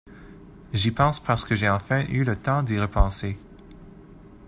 J'y pense parce que j'ai enfin eu le temps d'y repenser.